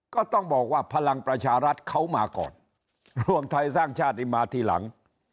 ก็ต้องบอกว่าพลังประชารัฐเขามาก่อนรวมไทยสร้างชาตินี่มาทีหลัง